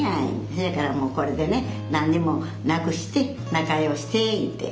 せやからもうこれでね何にもなくして仲良うして言うて。